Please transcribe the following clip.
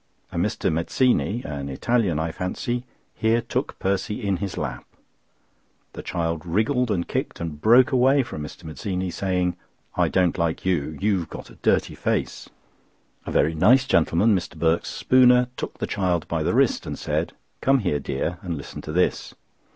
A Mr. Mezzini (an Italian, I fancy) here took Percy in his lap. The child wriggled and kicked and broke away from Mr. Mezzini, saying: "I don't like you—you've got a dirty face." A very nice gentleman, Mr. Birks Spooner, took the child by the wrist and said: "Come here, dear, and listen to this."